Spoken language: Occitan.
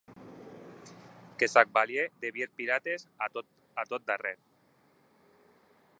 Que s'ac valie de vier pirates, a tot darrèr.